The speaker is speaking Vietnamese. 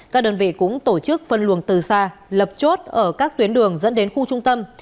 các đơn vị cũng tổ chức phân luồng từ xa lập chốt ở các tuyến đường dẫn đến khu trung tâm